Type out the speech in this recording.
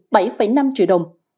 bảy năm triệu đồng